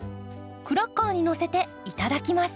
クラッカーにのせていただきます。